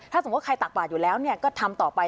ถ้าสมมติว่าใครตักบาทอยู่แล้วเนี่ยก็ทำต่อไป